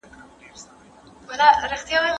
ایا د لاسي صنایعو جوړول ذهني تمرکز زیاتوي؟